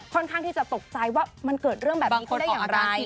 ข้างที่จะตกใจว่ามันเกิดเรื่องแบบนี้เขาได้อย่างไร